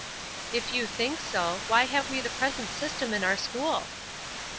"If you think so, why have we the present system in our school?"